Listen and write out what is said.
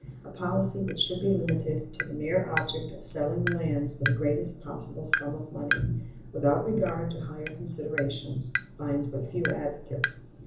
A policy which should be limited to the mere object of selling the lands for the greatest possible sum of money, without regard to higher considerations, finds but few advocates.